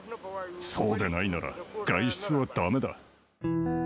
そうでないなら、外出はだめだ。